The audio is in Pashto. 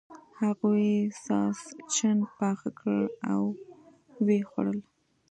هغوی ساسچن پاخه کړل او و یې خوړل.